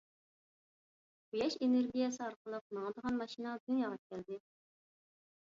قۇياش ئېنېرگىيەسى ئارقىلىق ماڭىدىغان ماشىنا دۇنياغا كەلدى.